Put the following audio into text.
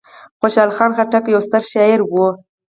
خوشحال خان خټک یو ستر شاعر و.